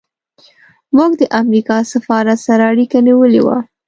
موږ د امریکا سفارت سره اړیکه نیولې وه.